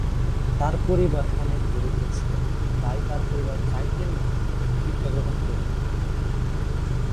তার পরিবার অনেক দরিদ্র ছিলেন তাই তার পরিবার চাইতেন না শিক্ষাগ্রহণ করুক।